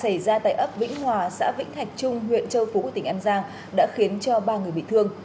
xảy ra tại ấp vĩnh hòa xã vĩnh thạch trung huyện châu phú tỉnh an giang đã khiến cho ba người bị thương